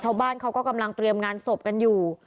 ชาวบ้านเขาก็กำลังเตรียมงานศพกันอยู่